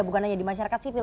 bukan hanya di masyarakat sipil